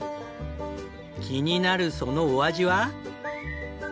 気になるそのお味は。